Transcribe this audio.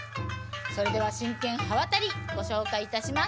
それでは真剣刃渡りご紹介いたします。